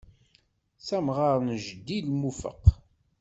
S amɣar n jeddi lmufeq.